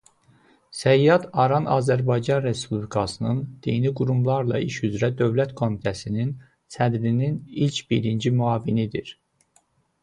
Səyyad Aran Azərbaycan Respublikasının Dini Qurumlarla İş üzrə Dövlət Komitəsinin sədrinin ilk birinci müavinidir.